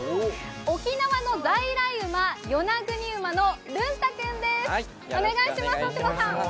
沖縄の在来馬、ヨナグニウマのルンタ君です。